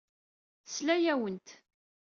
Tesla-awent.